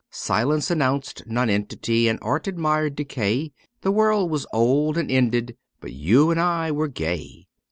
Science announced nonentity and art admired decay; The world was old and ended : but you and I were gay.